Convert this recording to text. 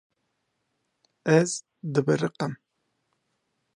Ez dibiriqim.